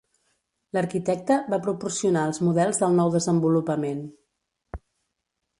L'arquitecte va proporcionar els models del nou desenvolupament.